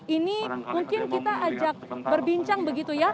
ini mungkin kita ajak berbincang begitu ya